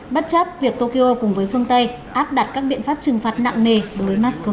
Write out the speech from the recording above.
bất chấp việc tokyo cùng với phương tây áp đặt các biện pháp trừng phạt nặng nề đối với moscow